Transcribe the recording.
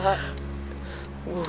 saya belum makan pak